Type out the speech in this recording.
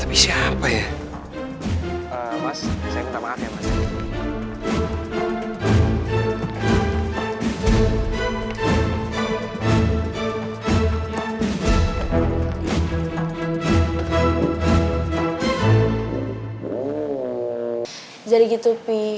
harus ngelaluin semua itu